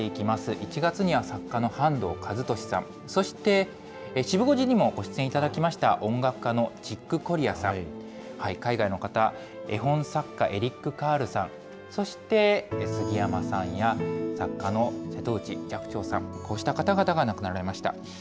１月には作家の半藤一利さん、そしてシブ５時にもご出演いただきました音楽家のチック・コリアさん、海外の方、絵本作家、エリック・カールさん、そしてすぎやまさんや、作家の瀬戸内寂聴さん、こうした方々が亡くなられました。